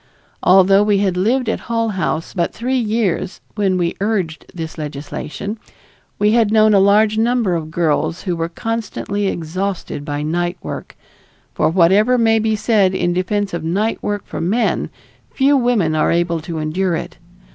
Although we had lived at Hull House but three years when we urged this legislation, we had known a large number of young girls who were constantly exhausted by night work; for whatever may be said in defense of night work for men, few women are able to endure it.